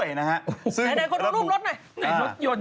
ไหนคนลูกรูปรถหน่อย